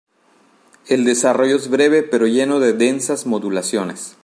El desarrollo es breve, pero lleno de densas modulaciones.